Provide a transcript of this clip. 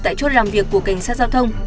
tại chốt làm việc của cảnh sát giao thông